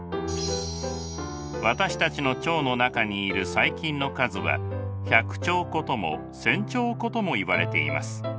私たちの腸の中にいる細菌の数は１００兆個とも１，０００兆個ともいわれています。